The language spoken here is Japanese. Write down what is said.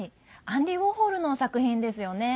アンディ・ウォーホルの作品ですよね。